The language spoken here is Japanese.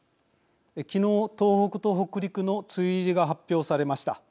昨日、東北と北陸の梅雨入りが発表されました。